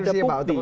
tidak ada bukti